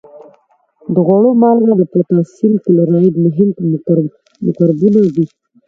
د خوړو مالګه او پوتاشیم کلورایډ مهم مرکبونه دي.